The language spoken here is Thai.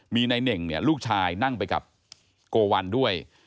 มีนายเน่งเนี่ยลูกชายนั่งไปกับโกวัลด้วย